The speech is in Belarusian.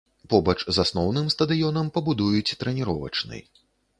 Побач з асноўным стадыёнам пабудуюць трэніровачны.